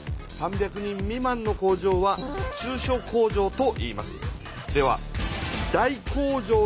３００人未満の工場は中小工場といいます。